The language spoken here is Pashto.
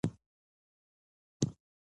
ازادي راډیو د بیکاري اړوند مرکې کړي.